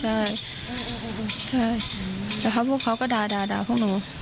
ใช่แต่พวกเขาก็ด่าพวกหนู